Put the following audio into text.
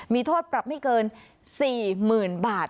มีโทษปรับไม่เกิน๔๐๐๐บาท